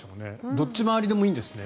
どっち回りでもいいんですね。